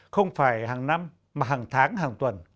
không phải hàng năm mà hàng tháng hàng tuần